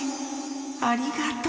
ありがとう。